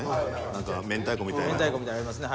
何か明太子みたいな。ありますね。